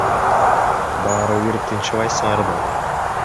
Баары бир тынчыбайсыңар да.